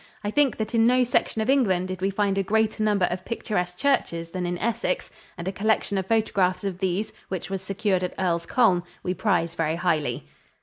I think that in no section of England did we find a greater number of picturesque churches than in Essex, and a collection of photographs of these, which was secured at Earl's Colne, we prize very highly.